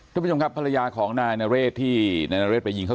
ทุกผู้ชมครับภรรยาของนายนเรศที่นายนเรศไปยิงเขา